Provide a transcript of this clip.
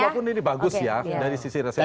ya apapun ini bagus ya dari sisi rasional